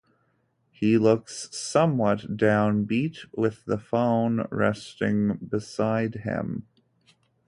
He looks somewhat downbeat, with the phone resting beside him.